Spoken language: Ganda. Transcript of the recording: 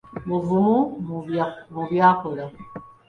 Muvumu mu by’akola